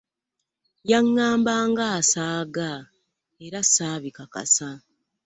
Yaŋŋamba ng'asaaga era ssaabikakasa.